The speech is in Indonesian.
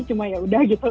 cuma ya udah gitu